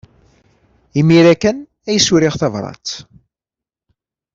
Imir-a kan ay as-uriɣ tabṛat.